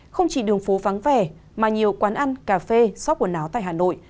không chỉ đường phố vắng vẻ mà nhiều quán ăn cà phê shop quần áo tại hà nội